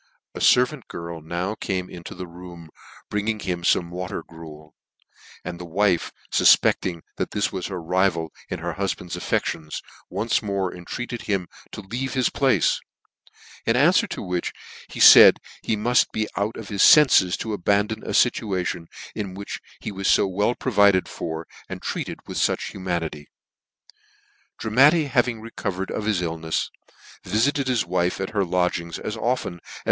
A fervant girl now came into the room,, bringing him fome water gruel ; and the wife fufpecting that this was her rival in her hufband's affections, once more entreated him to leave his place ; in anfwer to which he faid he muft be out of his fenfes to abandon a fituation in which he was fo well provided for, and treated with fuch humamity. Dramatti having recovered of his illnefs, viftt ted his wife at her lodgings as often as.